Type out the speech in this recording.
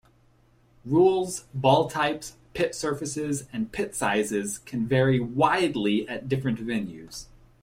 Rules, ball types, pit surfaces, and pit sizes can vary widely at different venues.